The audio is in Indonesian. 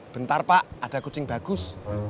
bentar pak ada kucing bagus